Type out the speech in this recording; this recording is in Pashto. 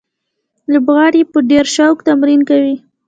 لوبغاړي په ډېر شوق تمرین کوي.